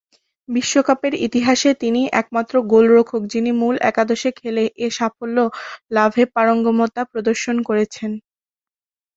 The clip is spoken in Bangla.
বিশ্বকাপের ইতিহাসে তিনিই একমাত্র গোলরক্ষক, যিনি মূল একাদশে খেলে এ সাফল্য লাভে পারঙ্গমতা প্রদর্শন করেছেন।